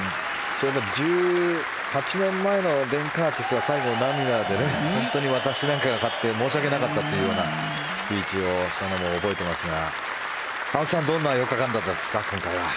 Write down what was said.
１８年前のベン・カーティスが最後、涙で私なんかが勝って申し訳なかったというスピーチをしたのを覚えていますが青木さんどんな４日間でしたか？